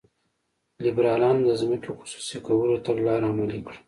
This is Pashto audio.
لیبرالانو د ځمکې خصوصي کولو تګلاره عملي کړه.